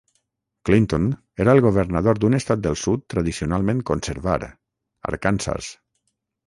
Clinton era el governador d'un estat del sud tradicionalment conservar, Arkansas.